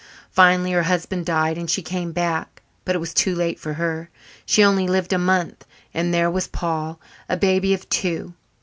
Finally her husband died and she came back but it was too late for her. She only lived a month and there was Paul, a baby of two.